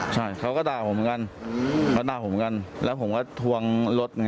ใช่เขาก็ด่าผมเหมือนกันแล้วผมก็ทวงรถ